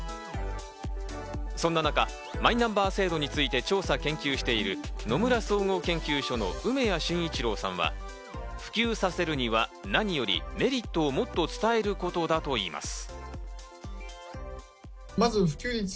そんな中、マイナンバー制度について調査・研究している野村総合研究所の梅屋真一郎さんは普及させるには何よりメリットをもっと伝えることだといいます。